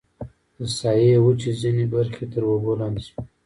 د ساحې وچې ځینې برخې تر اوبو لاندې شوې.